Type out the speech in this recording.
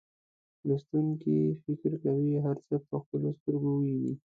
لوستونکي فکر کوي هر څه په خپلو سترګو ویني.